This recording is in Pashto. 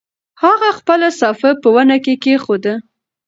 هغه خپله صافه په ونه کې کېښوده.